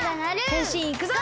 へんしんいくぞ！